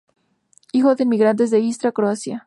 Hijo de inmigrantes de Istria, Croacia.